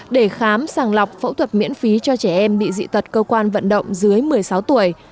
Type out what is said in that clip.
để khám sàng lọc phẫu thuật miễn phí cho trẻ em bị dị tật cơ quan vận động dưới một mươi sáu tuổi